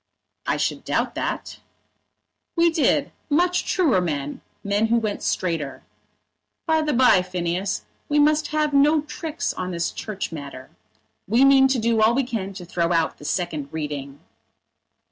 "I should doubt that." "We did; much truer men, men who went straighter. By the bye, Phineas, we must have no tricks on this Church matter. We mean to do all we can to throw out the second reading."